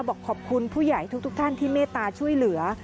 บอกขอบคุณผู้ใหญ่ทุกท่านที่เมตตาช่วยเหลือ